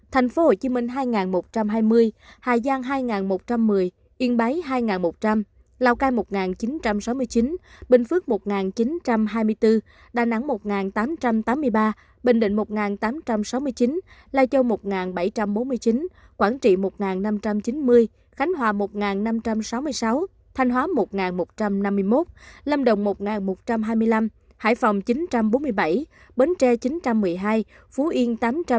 thành phố hồ chí minh hai một trăm hai mươi hà giang hai một trăm một mươi yên báy hai một trăm linh lào cai một chín trăm sáu mươi chín bình phước một chín trăm hai mươi bốn đà nẵng một tám trăm tám mươi ba bình định một tám trăm sáu mươi chín lai châu một bảy trăm bốn mươi chín quảng trị một năm trăm chín mươi khánh hòa một năm trăm sáu mươi sáu thanh hóa một một trăm năm mươi một lâm đồng một một trăm hai mươi năm hải phòng chín bốn mươi bảy bến tre chín một mươi hai phú yên tám năm mươi bảy